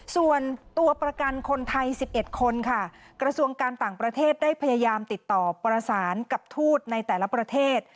ส่วนตัวประกันคนไทย๑๑คนค่ะกระทรวงการต่างประเทศได้พยายามติดต่อประสานกับทูตในแต่ละประเทศ